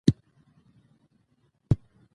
سیاسي پوهاوی د راتلونکي ضمانت دی